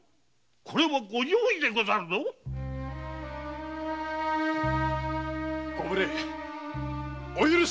これはご上意でござるぞご無礼お許しください。